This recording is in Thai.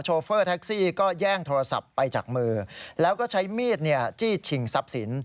โฟเฟอร์แท็กซี่ก็แย่งโทรศัพท์ไปจากมือแล้วก็ใช้มีดจี้ชิงทรัพย์สิน